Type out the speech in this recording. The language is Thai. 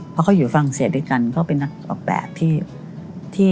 เพราะเขาอยู่ฝรั่งเศสด้วยกันเขาเป็นนักออกแบบที่